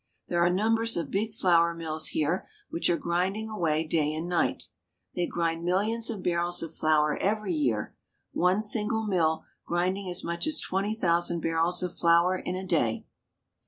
There are numbers of big flour mills here which are grinding away day and night. They grind millions of barrels of flour every year, one single mill grinding as much as twenty thousand barrels of flour in a day.